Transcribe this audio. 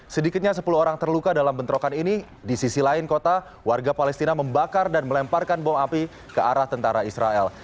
sedikitnya sepuluh orang terluka dalam bentrokan ini di sisi lain kota warga palestina membakar dan melemparkan bom api ke arah tentara israel